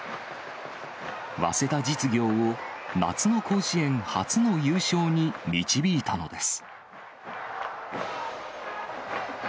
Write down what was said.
早稲田実業を夏の甲子園初の優勝に導いたのです。